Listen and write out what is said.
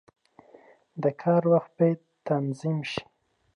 • د کار وخت باید تنظیم شي.